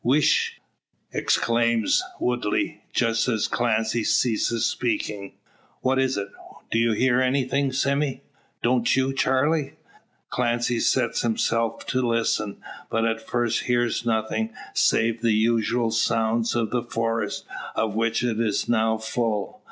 "Wheesht!" exclaims Woodley, just as Clancy ceases speaking. "What is it? Do you hear anything, Sime?" "Don't you, Charley?" Clancy sets himself to listen, but at first hears nothing, save the usual sounds of the forest, of which it is now full.